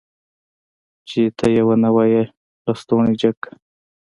چې ته يې ونه وايي لستوڼی جګ که.